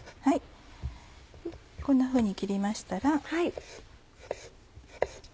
こんなふうに切りましたら。